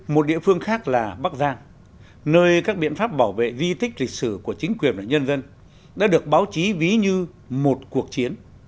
một địa phương khác là bắc giang nơi các biện pháp bảo vệ di tích lịch sử của chính quyền và nhân dân đã được báo chí ví như một cuộc chiến